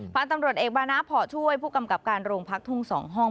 พันธุ์ตำรวจเอกบานะเพาะช่วยผู้กำกับการโรงพักทุ่ง๒ห้อง